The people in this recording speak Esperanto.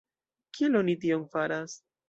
Kiel oni tion faras?